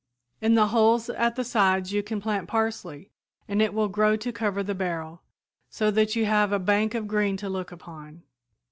In the holes at the sides you can plant parsley, and it will grow to cover the barrel, so that you have a bank of green to look upon.